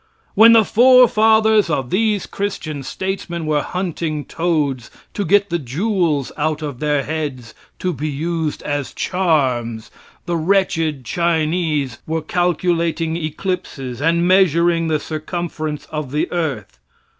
When the forefathers of these Christian statesmen were hunting toads to get the jewels out of their heads to be used as charms, the wretched Chinese were calculating eclipses and measuring the circumference of the earth.